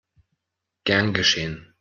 Gern geschehen!